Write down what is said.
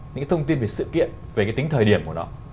những thông tin về sự kiện về tính thời điểm của nó